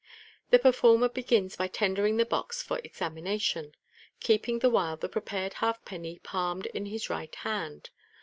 The performer begin by tendering the box for examination, keeping the while the prepared halfpenny palmed in his right hand.